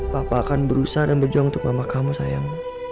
bapak akan berusaha dan berjuang untuk mama kamu sayang